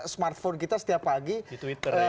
smartphone kita setiap pagi di twitter ya